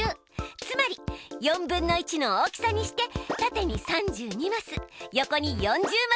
つまり４分の１の大きさにして縦に３２マス横に４０マス並べるようにしたの。